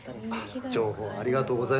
情報ありがとうございました。